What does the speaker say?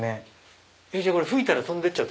これ吹いたら飛んでっちゃう？